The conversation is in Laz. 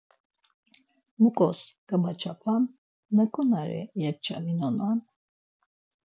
Muǩos gamaçapan, naǩonari yep̌ç̌ominonan?